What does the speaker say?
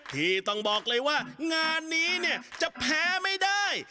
ที่ต้องบอกเลยว่างานนี้เนี่ยจะแพ้ไม่ได้